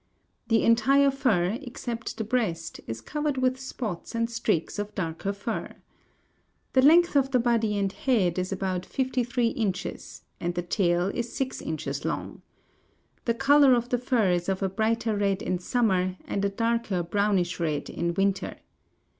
The entire fur, except the breast, is covered with spots and streaks of darker fur. The length of the body and head is about fifty three inches and the tail is six inches long. The color of the fur is of a brighter red in summer and a darker brownish red in winter.